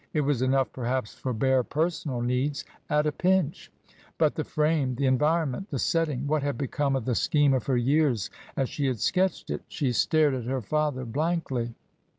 It was enough, perhaps, for bare personal needs — at a pinch. But the frame — the environment — the setting! What had become of the scheme of her years as she had sketched it ? She stared at her father blankly.